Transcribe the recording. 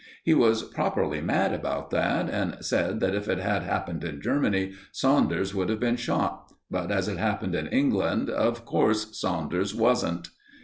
He was properly mad about that, and said that if it had happened in Germany, Saunders would have been shot; but as it happened in England, of course Saunders wasn't.